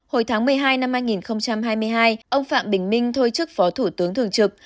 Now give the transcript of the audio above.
hồi tháng một mươi hai năm hai nghìn hai mươi hai ông phạm bình minh thôi chức phó thủ tướng thường trực